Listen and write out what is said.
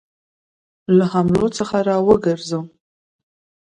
له حملو څخه را وګرځوم.